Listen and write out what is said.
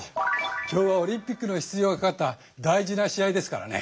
今日はオリンピックの出場がかかった大事な試合ですからね。